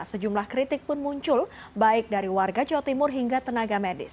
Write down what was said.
sejumlah kritik pun muncul baik dari warga jawa timur hingga tenaga medis